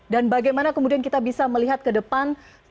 dan bagaimana kemudian kita bisa melihat ke depan